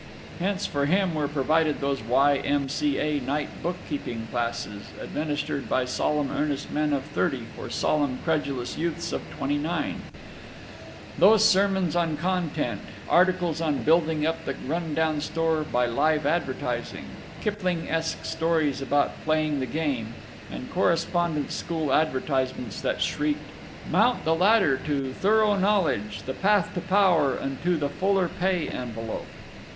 Hence, for him were provided those Y. M. C. A. night bookkeeping classes administered by solemn earnest men of thirty for solemn credulous youths of twenty nine; those sermons on content; articles on "building up the rundown store by live advertising"; Kiplingesque stories about playing the game; and correspondence school advertisements that shrieked, "Mount the ladder to thorough knowledge—the path to power and to the fuller pay envelope."